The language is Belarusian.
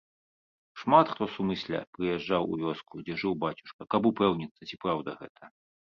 Шмат хто сумысля прыязджаў у вёску, дзе жыў бацюшка, каб упэўніцца, ці праўда гэта.